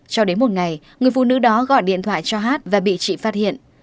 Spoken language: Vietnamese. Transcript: cho đến một ngày người phụ nữ đó gọi điện thoại cho hát và bị chị phát hiện